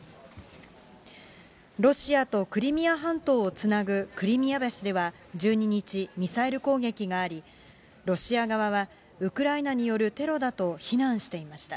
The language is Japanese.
ロシアとクリミア半島をつなぐクリミア橋では１２日、ミサイル攻撃があり、ロシア側はウクライナによるテロだと非難していました。